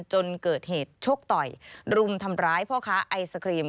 จนเกิดเหตุชกต่อยรุมทำร้ายพ่อค้าไอศครีม